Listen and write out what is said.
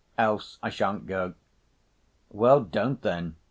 Else I shan't go." "Well, don't then.